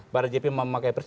barang jp memakai presiden